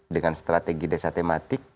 dengan strategi desa tematik